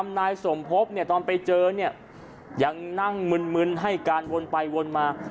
คำนายสมพบเนี่ยตอนไปเจอเนี่ยยังนั่งมึนมึนให้การวนไปวนมา